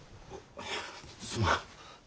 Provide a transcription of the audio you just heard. すまん。